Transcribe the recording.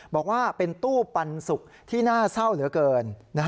บอกว่าเป็นตู้ปันสุกที่น่าเศร้าเหลือเกิน